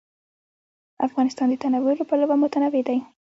افغانستان د تنوع له پلوه متنوع دی.